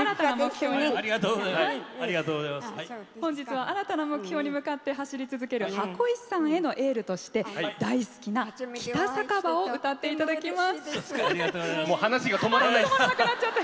本日は新たな目標に向かって走り続ける箱石さんへのエールとして大好きな「北酒場」を歌っていただきます。